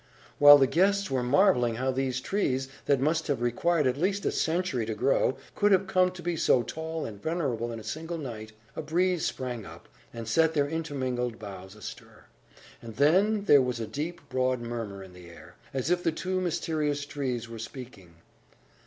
While the guests were marvelling how these trees, that must have required at least a century to grow, could have come to be so tall and venerable in a single night, a breeze sprang up, and set their intermingled boughs astir. And then there was a deep, broad murmur in the air, as if the two mysterious trees were speaking.